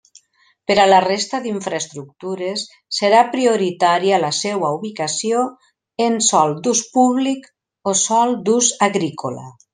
Per a la resta d'infraestructures, serà prioritària la seua ubicació en sòl d'ús públic o sòl d'ús agrícola.